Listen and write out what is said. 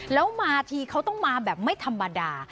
แล้วมาทีเขาต้องมาแบบไม่ธรรมดา